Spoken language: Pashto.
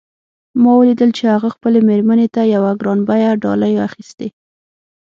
ما ولیدل چې هغه خپلې میرمن ته یوه ګران بیه ډالۍ اخیستې